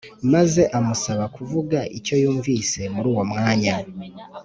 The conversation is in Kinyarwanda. maze amusaba kuvuga icyo yumvise muri uwo mwanya